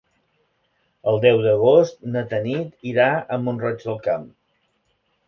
El deu d'agost na Tanit irà a Mont-roig del Camp.